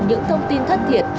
những thông tin thất thiệt